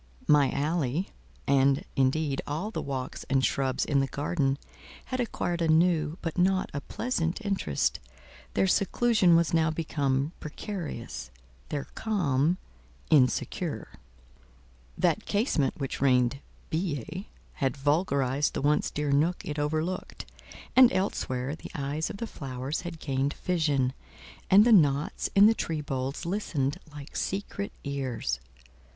My alley, and, indeed, all the walks and shrubs in the garden, had acquired a new, but not a pleasant interest; their seclusion was now become precarious; their calm—insecure. That casement which rained billets, had vulgarized the once dear nook it overlooked; and elsewhere, the eyes of the flowers had gained vision, and the knots in the tree boles listened like secret ears.